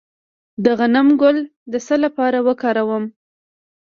د غنم ګل د څه لپاره وکاروم؟